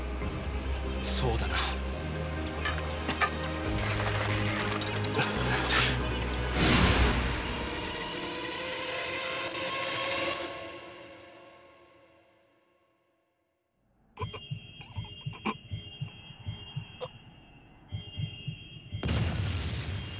そうだな。っうっ！